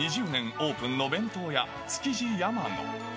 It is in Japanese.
オープンの弁当屋、築地やまの。